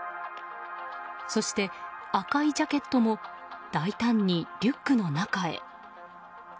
そして、赤いジャケットも大胆にリュックの中へ。